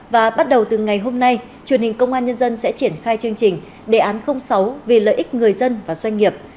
và bắt đầu từ ngày hôm nay truyền hình công an nhân dân sẽ triển khai chương trình đề án sáu vì lợi ích người dân và doanh nghiệp